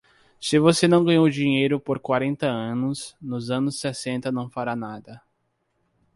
Se você não ganhou dinheiro por quarenta anos, nos anos sessenta não fará nada.